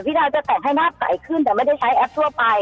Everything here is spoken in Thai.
ดาวจะแต่งให้หน้าใสขึ้นแต่ไม่ได้ใช้แอปทั่วไป